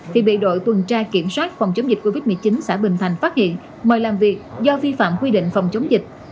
thì bị đội tuần tra kiểm soát phòng chống dịch covid một mươi chín xã bình thành phát hiện mời làm việc do vi phạm quy định phòng chống dịch